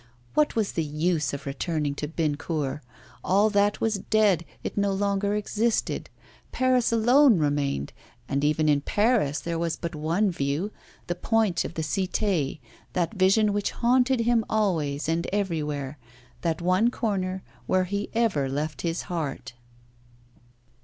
What was the use of returning to Bennecourt? All that was dead, it no longer existed. Paris alone remained, and even in Paris there was but one view, the point of the Cité, that vision which haunted him always and everywhere, that one corner where he ever left his heart.